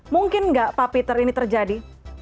mungkin nggak pak peter ini terjadi